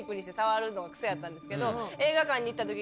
のが癖やったんですけど。